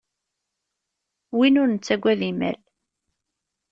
Win ur nettagad imal.